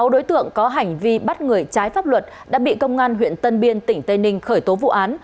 sáu đối tượng có hành vi bắt người trái pháp luật đã bị công an huyện tân biên tỉnh tây ninh khởi tố vụ án